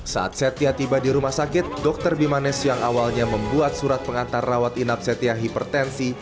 saat setia tiba di rumah sakit dr bimanes yang awalnya membuat surat pengantar rawat inap setia hipertensi